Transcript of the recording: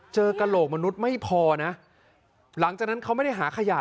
กระโหลกมนุษย์ไม่พอนะหลังจากนั้นเขาไม่ได้หาขยะ